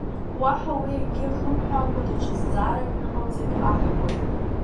Уаҳа уи акгьы ахымҳәаакәа даҽа зҵаарак ныҟалҵеит аҳкәажә.